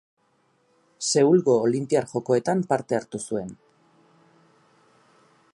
Seulgo Olinpiar Jokoetan parte hartu zuen.